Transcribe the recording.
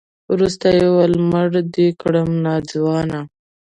وروسته يې وويل مړ دې کړم ناځوانه.